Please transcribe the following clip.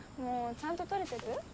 ちゃんと撮れてる？